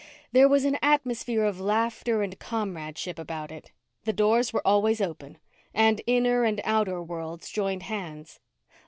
There was an atmosphere of laughter and comradeship about it; the doors were always open; and inner and outer worlds joined hands.